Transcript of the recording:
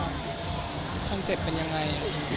ตัวผู้ก็คิดว่าคอนเซ็ตเป็นยังไง